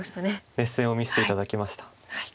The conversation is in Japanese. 熱戦を見せて頂きました。